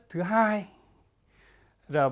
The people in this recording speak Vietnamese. thứ hai là